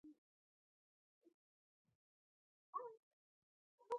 مچمچۍ د شاتو تولیدوونکې ده